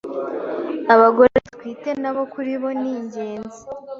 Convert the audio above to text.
Abagore batwite nabo kuribo ningenzi